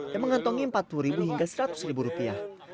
dan mengantongi empat puluh hingga seratus rupiah